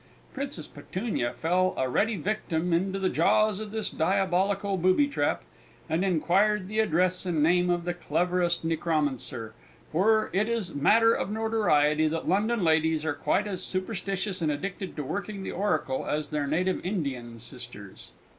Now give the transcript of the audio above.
Princess Petunia fell a ready victim into the jaws of this diabolical booby trap and inquired the address and name of the cleverest necromancer, for it is matter of notoriety that London ladies are quite as superstitious and addicted to working the oracle as their native Indian sisters.